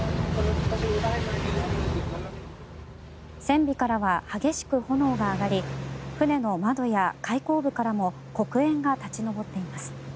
船尾からは激しく炎が上がり船の窓や開口部からも黒煙が立ち上っています。